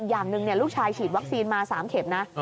อย่างหนึ่งลูกชายฉีดวัคซีนมา๓เข็มนะ